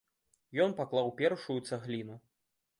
Ён паклаў першую цагліну.